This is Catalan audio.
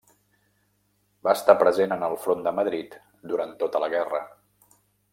Va estar present en el front de Madrid durant tota la guerra.